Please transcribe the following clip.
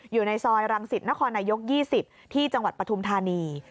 อยู่ในซอยรังสิตนครนายก๒๐ที่จังหวัดปฐุมธานี